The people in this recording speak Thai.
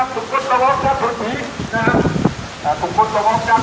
สวัสดีครับ